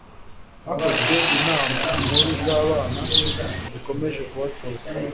hakozwe inama nkuru z' abana zikomeje kubatoza